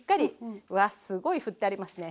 わあすごいふってありますね。